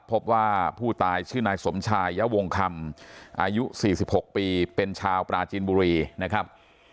พบว่าผู้ตายชื่อนายสมชายยะวงคำอายุ๔๖ปีเป็นชาวปราจีนบุรีนะครับ